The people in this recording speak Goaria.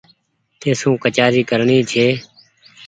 تيسو ڪچآري ڪرڻي ڇي